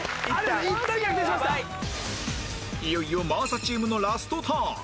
いよいよ真麻チームのラストターン